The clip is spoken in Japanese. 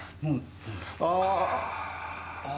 ああ！